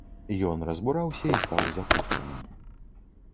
Ён разбураўся і стаў запушчаным.